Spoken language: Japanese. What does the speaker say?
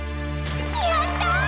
やった！